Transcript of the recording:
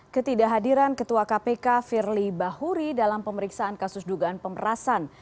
ketidakhadiran ketua kpk firly bahuri dalam pemeriksaan kasus dugaan pemerasan